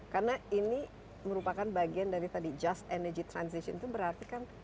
karena ini merupakan bagian dari tadi just energy transition itu berarti kan